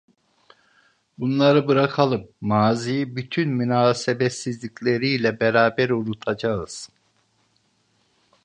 Bunları bırakalım, maziyi bütün münasebetsizlikleriyle beraber unutacağız…